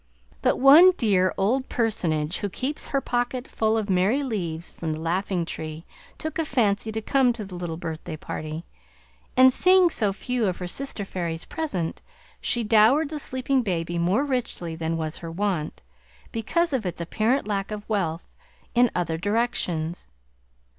But one dear old personage who keeps her pocket full of Merry Leaves from the Laughing Tree, took a fancy to come to the little birthday party; and seeing so few of her sister fairies present, she dowered the sleeping baby more richly than was her wont, because of its apparent lack of wealth in other directions.